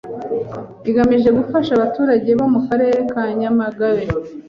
igamije gufasha abaturage bo mu Karere ka Nyamagabe